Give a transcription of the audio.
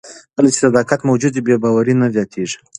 کله چې صداقت موجود وي، بې باوري نه زیاتیږي.